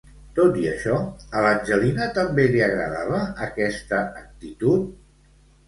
Tot i això, a l'Angelina també li agradava aquesta actitud?